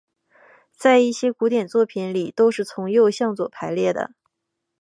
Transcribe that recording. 而在一些古典作品里是从右向左排列的。